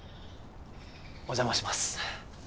お邪魔します。